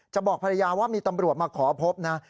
บอกภรรยาว่ามีตำรวจมาขอพบนะ